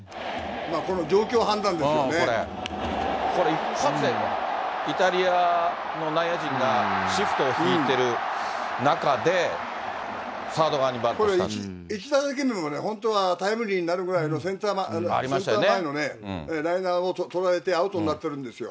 これ一発で、イタリアの内野陣がシフトを敷いてる中で、これ、１打席目もね、本当はタイムリーになるぐらいのセンター前のライナーを捉えてアウトになってるんですよ。